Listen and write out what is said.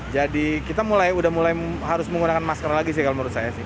jadi kita mulai udah mulai harus menggunakan masker lagi sih kalau menurut saya sih